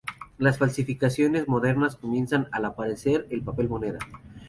Las falsificaciones modernas comienzan al aparecer el papel moneda.